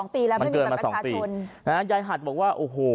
๒ปีแล้วไม่มีบัตรประชาชนมันเกินมา๒ปียายหัดบอกว่าโอ้โห